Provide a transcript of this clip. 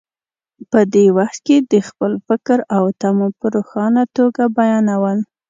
په دې وخت کې د خپل فکر او تمو په روښانه توګه بیانول.